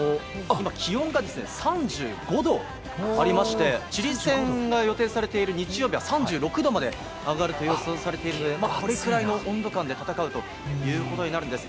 気温が３５度ありましてチリ戦が予定されている日曜日は３６度まで上がると予想されているのでこれくらいの温度感で戦うことになるんです。